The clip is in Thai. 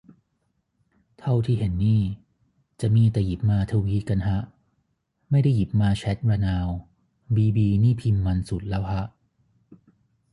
เท่าที่เห็นนี่จะมีแต่หยิบมาทวีตกันฮะ ไม่ได้หยิบมาแชตระนาว บีบีนี่พิมพ์มันส์สุดแล้วฮะ